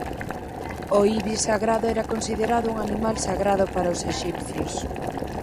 O ibis sagrado era considerado un animal sagrado para os exipcios.